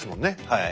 はい。